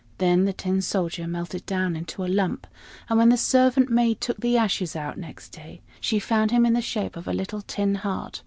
Then the Tin Soldier melted down into a lump; and when the servant maid took the ashes out next day, she found him in the shape of a little tin heart.